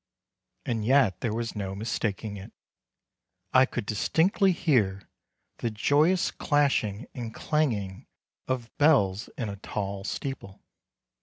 And yet there was no mistaking it. I could distinctly hear the joyous clashing and clanging of bells in a tall steeple.